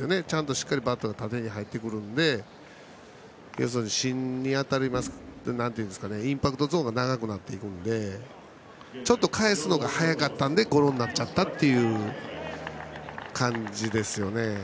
しっかりバットが縦に入ってくるのでインパクトゾーンが長くなっていくのでちょっと返すのが早かったのでゴロになったという感じですね。